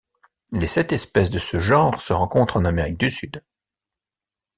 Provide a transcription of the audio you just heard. Les sept espèces de ce genre se rencontrent en Amérique du Sud.